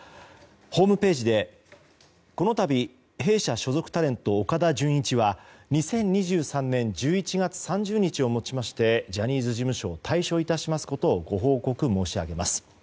ホームページでこのたび、弊社所属タレント岡田准一は２０２３年１１月３０日をもちましてジャニーズ事務所を退所いたしますことをご報告申し上げます。